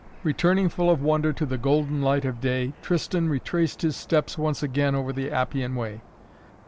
Returning full of wonder to the golden light of day, Tristan retraced his steps once again over the Appian Way.